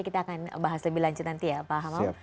kita akan bahas lebih lanjut nanti ya pak hamam